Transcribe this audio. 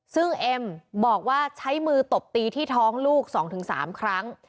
ซึ่งเอ็มบอกว่าใช้มือตบตีที่ท้องลูก๒๓ครั้ง